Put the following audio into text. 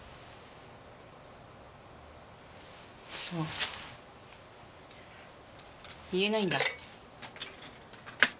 そう言えないんだ。